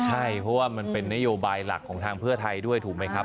ใช่เพราะว่ามันเป็นนโยบายหลักของทางเพื่อไทยด้วยถูกไหมครับ